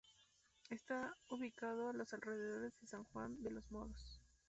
Está ubicado a los alrededores de San Juan de Los Morros.